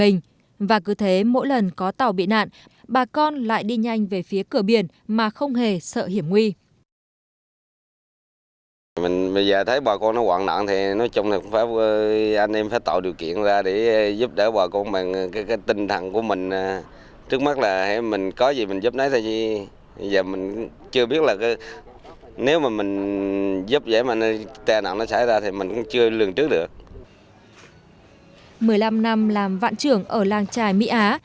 một mươi năm năm làm vạn trưởng ở làng trài mỹ á